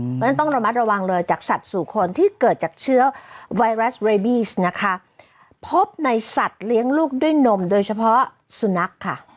เพราะฉะนั้นต้องระมัดระวังเลยจากสัตว์สู่คนที่เกิดจากเชื้อไวรัสเรบีชนะคะพบในสัตว์เลี้ยงลูกด้วยนมโดยเฉพาะสุนัขค่ะ